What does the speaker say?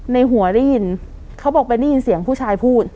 ในหัวได้ยินเขาบอกไปได้ยินเสียงผู้ชายพูด